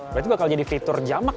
berarti bakal jadi fitur jamak